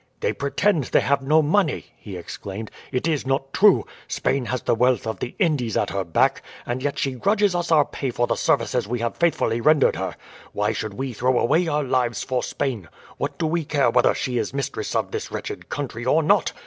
"They pretend they have no money!" he exclaimed, "it is not true. Spain has the wealth of the Indies at her back, and yet she grudges us our pay for the services we have faithfully rendered her. Why should we throw away our lives for Spain? What do we care whether she is mistress of this wretched country or not?